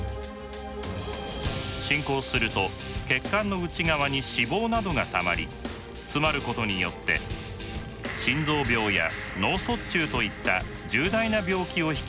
進行すると血管の内側に脂肪などがたまり詰まることによって心臓病や脳卒中といった重大な病気を引き起こすことがあります。